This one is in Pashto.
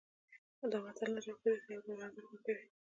دا متل نر او ښځې ته یو ډول ارزښت ورکوي